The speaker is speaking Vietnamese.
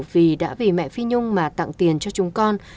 vì đã vì mẹ phi nhung mà tặng tiền cho chúng con